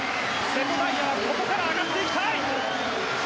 瀬戸大也、ここから上がっていきたい。